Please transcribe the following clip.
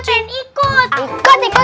tapi kita pengen ikut